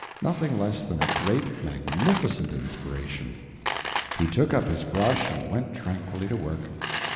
Nothing less than a great, magnificent inspiration. He took up his brush and went tranquilly to work.